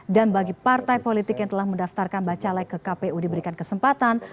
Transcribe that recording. dan bagi partai politik yang telah mendaftarkan bacalek ke kpu diberikan kesempatan